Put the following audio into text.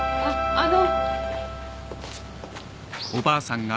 あの。